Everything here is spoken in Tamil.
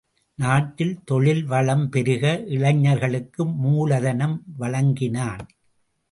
நாட்டில் தொழில் வளம் பெருக இளைஞர்களுக்கு மூலதனம் வழங்கினான்.